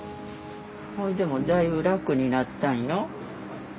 それでもだいぶ楽になったんよ。